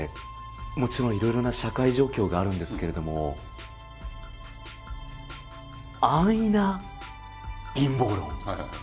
もちろんいろいろな社会状況があるんですけれども安易な陰謀論